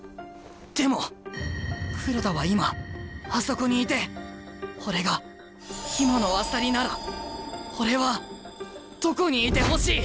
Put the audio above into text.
でも黒田は今あそこにいて俺が今の朝利なら俺はどこにいてほしい？